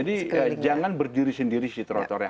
jadi jangan berdiri sendiri sih trotoarnya